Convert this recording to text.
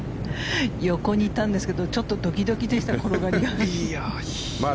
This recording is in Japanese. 横にいたんですけどちょっとドキドキでした転がりが。